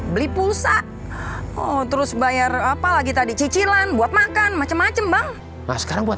beli pulsa oh terus bayar apa lagi tadi cicilan buat makan macam macam bang sekarang buat